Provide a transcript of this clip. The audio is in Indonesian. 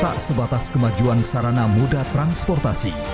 tak sebatas kemajuan sarana moda transportasi